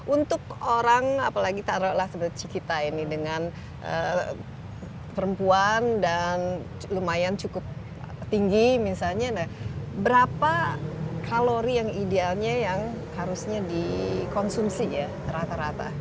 untuk orang apalagi taruhlah seperti kita ini dengan perempuan dan lumayan cukup tinggi misalnya berapa kalori yang idealnya yang harusnya dikonsumsi ya rata rata